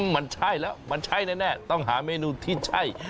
มันใช่แล้วมันใช่แน่ต้องหาเมนูที่ใช่